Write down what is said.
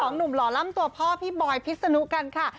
หนุ่มหล่อล่ำตัวพ่อพี่บอยพิษนุกันค่ะ